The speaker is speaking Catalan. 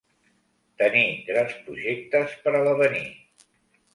Tenir grans projectes per a l'avenir.